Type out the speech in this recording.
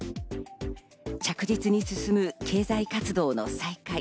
着実に進む経済活動の再開。